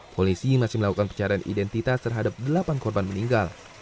polisi masih melakukan pencarian identitas terhadap delapan korban meninggal